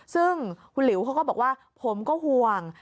ซึ่งคุณหลิวเขาก็บอกว่าผมก็ห่วง